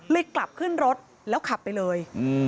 กลับขึ้นรถแล้วขับไปเลย